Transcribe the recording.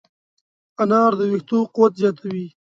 انار د ویښتو قوت زیاتوي.